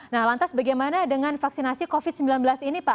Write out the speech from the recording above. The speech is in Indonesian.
nah lantas bagaimana dengan vaksinasi covid sembilan belas ini pak